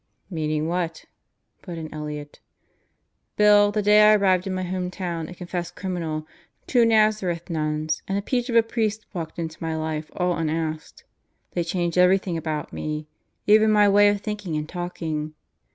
"Meaning what?" put in Elliott. "Bill, the day I arrived in my home town a confessed criminal, two Nazareth nuns and a peach of a priest walked into my life all unasked. They changed everything about me even my way of thinking and talking.